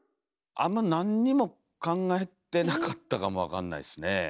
あんま何にも考えてなかったかも分かんないっすねえ。